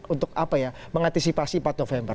untuk mengantisipasi empat november